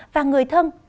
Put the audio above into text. và người thân